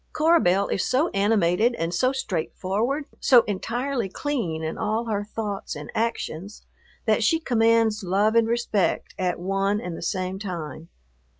Cora Belle is so animated and so straightforward, so entirely clean in all her thoughts and actions, that she commands love and respect at one and the same time.